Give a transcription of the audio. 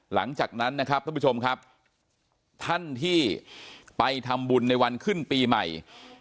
หลังจากนั้นนะครับท่านผู้ชมครับท่านที่ไปทำบุญในวันขึ้นปีใหม่